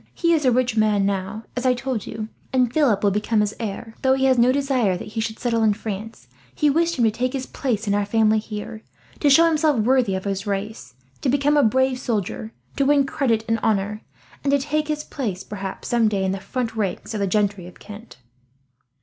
He is a rich man now, as I told you, and Philip will become his heir. Though he has no desire that he should settle in France, he wished him to take his place in our family here, to show himself worthy of his race, to become a brave soldier, to win credit and honour, and to take his place perhaps, some day, in the front rank of the gentry of Kent."